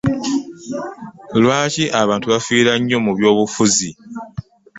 Lwaki abantu bafiira nnyo mu by'obufuzi?